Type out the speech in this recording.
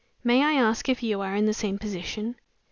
May I ask if you are in the same position?"